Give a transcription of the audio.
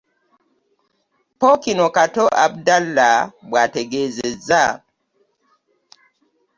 Ppookino Kato Abdalla bw'ategeezezza.